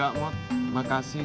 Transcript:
pakentu ugut banget sih